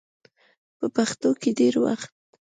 په پښتو کې ډېر وخت